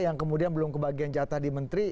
yang kemudian belum kebagian jatah di menteri